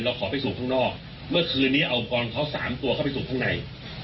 ขอไปสูบข้างนอกเมื่อคืนนี้เอาอุปกรณ์เขาสามตัวเข้าไปสูบข้างใน